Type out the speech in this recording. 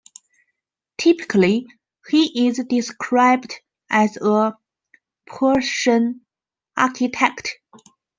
Typically, he is described as a Persian architect.